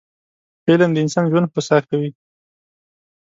علم د انسان ژوند هوسا کوي